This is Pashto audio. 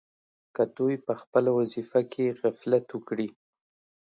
که دوی په خپله وظیفه کې غفلت وکړي.